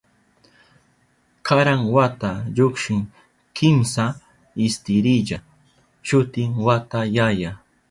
Karan wata llukshin kimsa istirilla, shutin wata yaya.